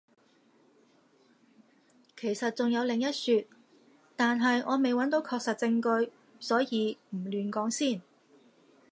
其實仲有另一說，但係我未揾到確實證據，所以唔亂講先